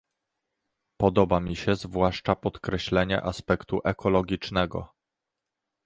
Podoba mi się zwłaszcza podkreślenie aspektu ekologicznego